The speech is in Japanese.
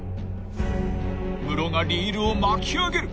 ［ムロがリールを巻き上げる］